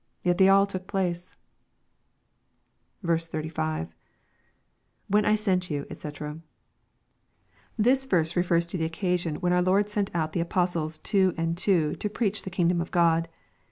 Yet they all took place I 36. —[ Wh,en I sent you, Sc] This verae refers to the occasion when our Lord sent out the apostles two and two to preach the kingdom of God.